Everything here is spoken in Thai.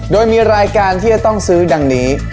โดยมีรายการที่จะต้องซื้อดังนี้